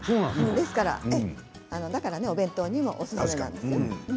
ですから、お弁当にもおすすめなんですよ。